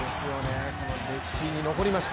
歴史に残りました。